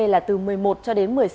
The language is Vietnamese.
là từ một mươi một một mươi sáu h